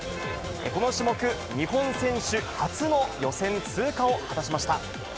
この種目、日本選手初の予選通過を果たしました。